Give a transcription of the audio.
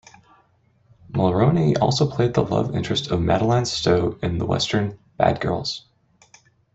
Mulroney also played the love interest of Madeleine Stowe in the western "Bad Girls".